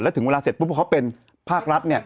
แล้วถึงเวลาเสร็จปุ๊บว่าเขาเป็นภาครัฐเนี่ย